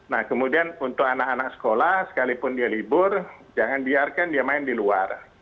nah kemudian untuk anak anak sekolah sekalipun dia libur jangan biarkan dia main di luar